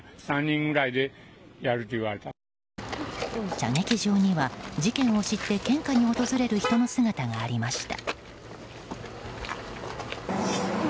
射撃場には事件を知って献花に訪れる人の姿がありました。